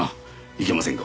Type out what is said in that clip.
いけませんか？